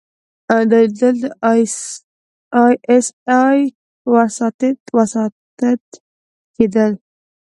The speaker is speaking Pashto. دا ليدل د ای اس ای په وساطت کېدل.